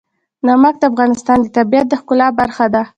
نمک د افغانستان د طبیعت د ښکلا برخه ده.